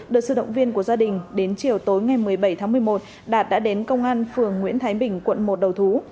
được sự động viên của gia đình đến chiều tối ngày một mươi bảy tháng một mươi một đạt đã đến công an phường nguyễn thái bình quận một đầu thú